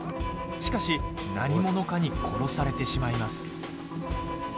しかし、何者かに殺されてしまいます。